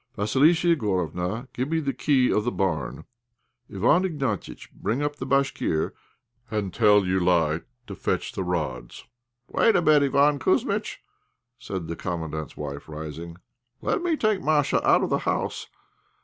"Vassilissa Igorofna, give me the key of the barn. Iván Ignatiitch, bring up the Bashkir and tell Joulaï to fetch the rods." "Wait a bit, Iván Kouzmitch," said the Commandant's wife, rising; "let me take Masha out of the house.